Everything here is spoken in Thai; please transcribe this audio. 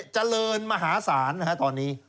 เจริญมหาศาลตอนนี้